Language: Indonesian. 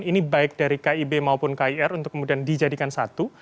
ini baik dari kib maupun kir untuk kemudian dijadikan satu